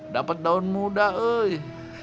dapet daun muda eh